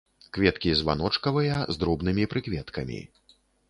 Кветкі званочкавыя з дробнымі прыкветкамі.